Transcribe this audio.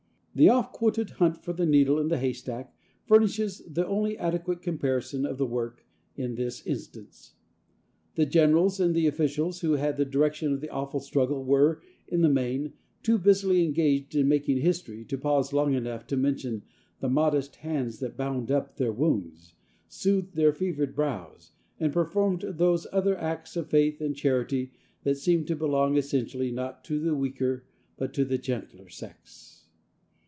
The oft quoted hunt for the needle in the haystack furnishes the only adequate comparison of the work in this instance. The Generals and the officials who had the direction of the awful struggle were, in the main, too busily engaged in making history to pause long enough to mention the modest hands that bound up their wounds, soothed their fevered brows and performed those other acts of faith and charity that seem to belong essentially, not to the weaker but to the gentler sex.